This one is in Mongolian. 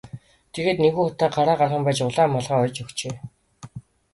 Тэгээд нэгэн удаа гараа гарган байж улаан малгай оёж өгчээ.